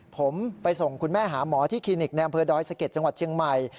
ผมไปส่งคุณแม่หาหมอที่คลินิกในอำเภอดอยสะเก็ดจังหวัดเชียงใหม่